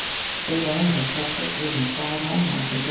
We remained in Texas leading a quiet home life until 1889.